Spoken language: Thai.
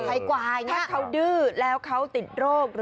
ควายถ้าเขาดื้อแล้วเขาติดโรค